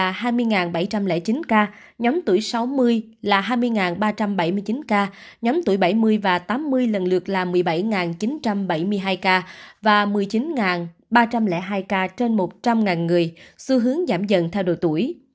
kdca cũng cho biết tỷ lệ mắc covid một mươi chín nhóm tuổi hai mươi là ba mươi hai ba trăm bảy mươi chín ca nhóm tuổi bảy mươi và tám mươi lần lượt là một mươi bảy chín trăm bảy mươi hai ca và một mươi chín ba trăm linh hai ca trên một trăm linh người xu hướng giảm dần theo độ tuổi